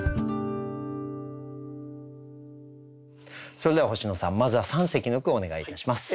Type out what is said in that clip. それでは星野さんまずは三席の句をお願いいたします。